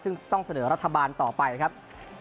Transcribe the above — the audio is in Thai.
ซึ่งต้องเสนอรัฐบาลต่อไปครับ